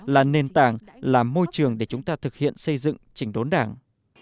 là nền tảng là môi trường để chúng ta thực hiện xây dựng chỉnh đốn đảng